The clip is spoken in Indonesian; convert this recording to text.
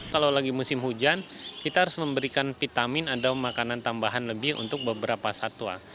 kalau lagi musim hujan kita harus memberikan vitamin atau makanan tambahan lebih untuk beberapa satwa